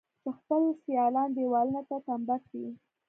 چې خپل سيالان دېوالونو ته تمبه کړي.